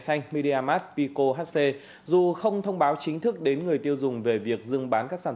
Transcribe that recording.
xanh mediamart pico hc dù không thông báo chính thức đến người tiêu dùng về việc dưng bán các sản